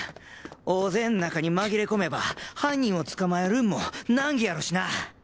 大勢ん中にまぎれ込めば犯人を捕まえるんも難儀やろしな。